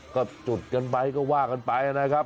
ก็พูดไปก็ว่ากันไปนะครับ